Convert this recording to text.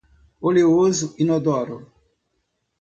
oleoso, inodoro